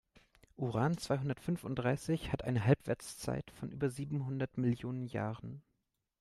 Uran-zweihundertfünfunddreißig hat eine Halbwertszeit von über siebenhundert Millionen Jahren.